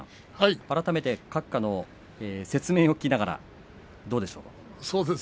改めて閣下の説明を聞きながらどうでしょうか。